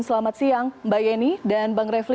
selamat siang mbak yeni dan bang refli